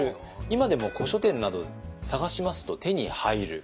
今でも古書店など探しますと手に入る。